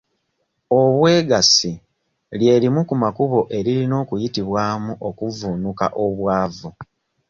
Obwegassi lye limu ku makubo eriyina okuyitibwamu okuvvuunuka obwavu.